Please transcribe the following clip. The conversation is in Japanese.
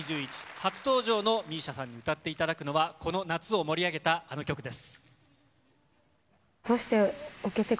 初登場のＭＩＳＩＡさんに歌っていただくのは、この夏を盛り上げたあの曲です。